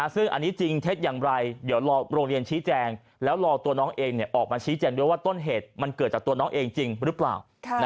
ซึ่งอันนี้จริงเท็จอย่างไรเดี๋ยวรอโรงเรียนชี้แจงแล้วรอตัวน้องเองออกมาชี้แจงด้วยว่าต้นเหตุมันเกิดจากตัวน้องเองจริงหรือเปล่า